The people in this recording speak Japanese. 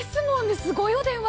すごい、お電話。